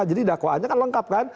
jadi dakwaannya kan lengkap kan